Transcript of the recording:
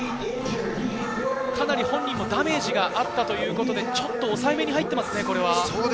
本人もダメージがあったということで、ちょっと抑え気味に入っていますね。